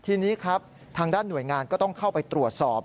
ทีนี้ครับทางด้านหน่วยงานก็ต้องเข้าไปตรวจสอบ